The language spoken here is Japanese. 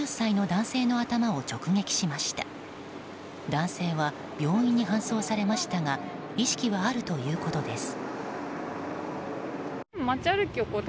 男性は病院に搬送されましたが意識はあるということです。